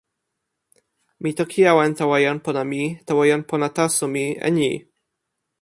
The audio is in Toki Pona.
mi toki awen tawa jan pona mi, tawa jan pona taso mi, e ni: